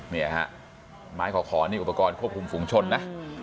เนี่ยฮะไม้ขอขอนี่อุปกรณ์ควบคุมฝุงชนนะ